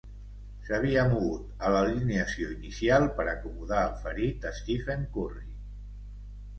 S'havia mogut a l'alineació inicial per acomodar el ferit Stephen Curry.